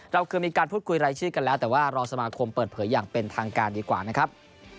เราเคยมีการพูดคุยรายชื่อกันแล้วแต่ว่ารอสมาคมเปิดเผยอย่างเป็นทางการดีกว่านะครับ